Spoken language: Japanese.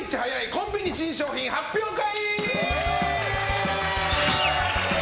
コンビニ新商品発表会。